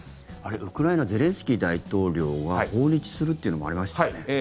ウクライナゼレンスキー大統領が訪日するっていうのもありましたよね。